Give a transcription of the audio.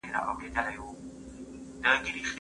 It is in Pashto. هغه وويل چي انځور روښانه دی؟